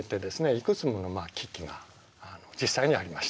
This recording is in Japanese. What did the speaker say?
いくつもの危機が実際にありました。